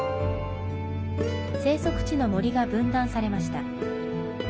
生息地の森が分断されました。